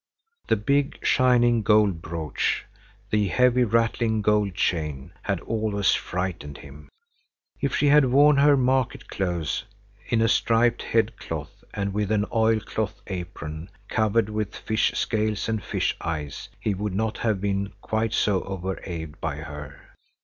The big, shining gold brooch, the heavy, rattling gold chain had always frightened him. If she had worn her market clothes, in a striped head cloth and with an oil cloth apron, covered with fish scales and fish eyes, he would not have been quite so overawed by her.